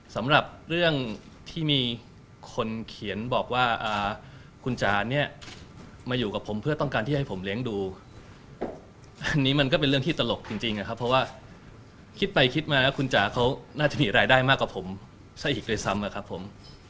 สำหรับเรื่องที่มีคนเขียนบอกว่าคุณจ๋าเนี่ยมาอยู่กับผมเพื่อต้องการที่ให้ผมเลี้ยงดูอันนี้มันก็เป็นเรื่องที่ตลกจริงนะครับเพราะว่าคิดไปคิดมาแล้วคุณจ๋าเขาน่าจะมีรายได้มากกว่าผมซะอีกด้วยซ้ำอะครับผม